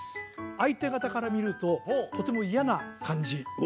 相手方から見るととても嫌な感じを受けます